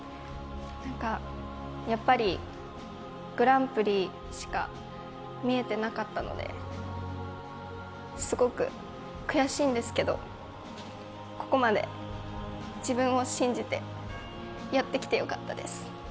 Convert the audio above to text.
なんか、やっぱりグランプリしか見えてなかったのですごく悔しいんですけど、ここまで自分を信じてやってきてよかったです。